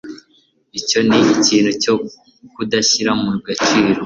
Icyo ni ikintu cyo kudashyira mu gaciro